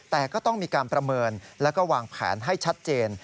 แต่ก็ต้องมีการประเมินแล้วก็วางแผนให้ชัดเจน